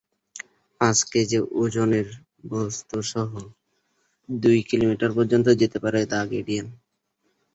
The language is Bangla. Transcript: পাঁচ কেজি ওজনের বস্তুসহ দুই কিলোমিটার পর্যন্ত যেতে পারে দ্য গার্ডিয়ান।